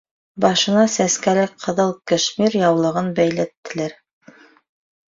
Башына сәскәле ҡыҙыл кешмир яулығын бәйләттеләр.